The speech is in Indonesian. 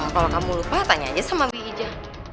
kalau kamu lupa tanya aja sama wijah